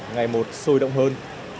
ngày một sôi động hơn